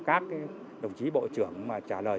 các đồng chí bộ trưởng trả lời